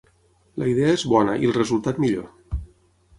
La idea és bona i el resultat, millor.